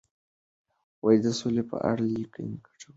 د سولي په اړه لیکنې ګټورې دي.